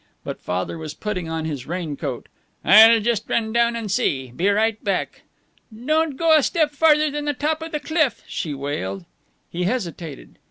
But Father was putting on his raincoat. "I'll just run down and see be right back." "Don't go a step farther than the top of the cliff," she wailed. He hesitated.